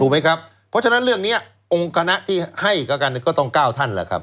เพราะฉะนั้นเรื่องนี้องค์คณะที่ให้กับการประกันก็ต้องก้าวท่าน